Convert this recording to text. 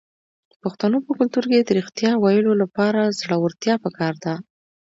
د پښتنو په کلتور کې د ریښتیا ویلو لپاره زړورتیا پکار ده.